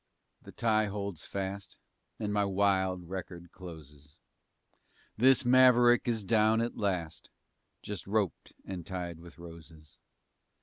the tie holds fast And my wild record closes. This maverick is down at last Just roped and tied with roses.